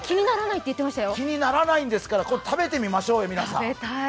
気にならないんですから、食べてみましょうよ、皆さん。